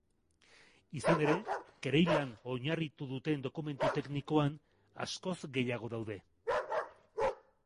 Izan ere, kereilan oinarritu duten dokumentu teknikoan askoz gehiago daude.